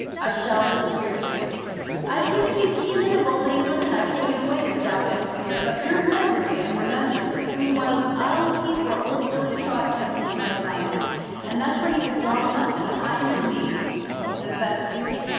'I shall this year, too. I've given you seizin of Old England, and I've taken away your Doubt and Fear, but your memory and remembrance between whiles I'll keep where old Billy Trott kept his night lines and that's where he could draw 'em up and hide 'em at need. Does that suit?